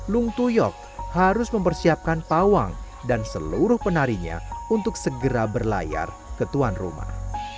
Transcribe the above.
lungtuyok harus mempersiapkan pawang dan seluruh penarinya untuk segera berlayar ketuan rumah